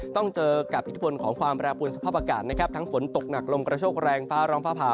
ต้องเจอกับอิทธิพลของความแปรปวนสภาพอากาศนะครับทั้งฝนตกหนักลมกระโชคแรงฟ้าร้องฟ้าผ่า